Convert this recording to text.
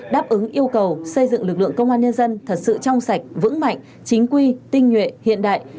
đáp ứng yêu cầu xây dựng lực lượng công an nhân dân thật sự trong sạch vững mạnh chính quy tinh nhuệ hiện đại